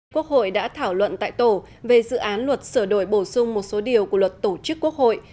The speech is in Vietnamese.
quốc hội đã thảo luận tại tổ về dự án luật sửa đổi bổ sung một số điều của luật tổ chức quốc hội